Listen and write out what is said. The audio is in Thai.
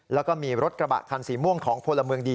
แล้วก็มีรถกระบะคันสีม่วงของพลเมืองดี